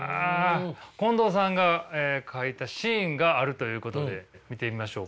近藤さんが描いたシーンがあるということで見てみましょうか。